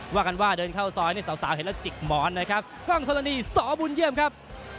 ว่ากันว่าเดินเข้าซอยนี่สาวเห็นแล้วจิกหมอนนะครับกล้องธรณีสอบุญเยี่ยมครับ